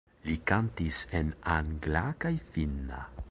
Li kantis en angla kaj finna.